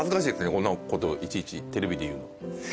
こんなことをいちいちテレビで言うの。